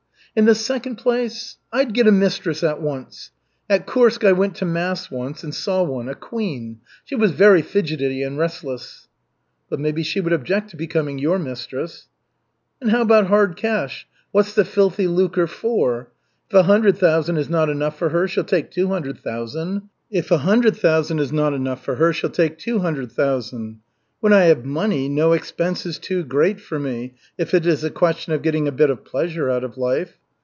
"In the second place, I'd get a mistress at once. At Kursk I went to mass once and saw one a queen! She was very fidgety and restless." "But maybe she would object to becoming your mistress." "And how about hard cash? What's the filthy lucre for? If a hundred thousand is not enough for her, she'll take two hundred thousand. When I have money, no expense is too great for me, if it is a question of getting a bit of pleasure out of life.